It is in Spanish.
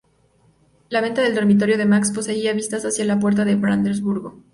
La ventana del dormitorio de Max poseía vistas hacia la Puerta de Brandeburgo.